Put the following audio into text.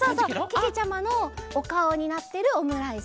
けけちゃまのおかおになってるオムライス。